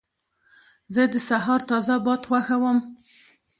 زه د سهار تازه باد خوښوم.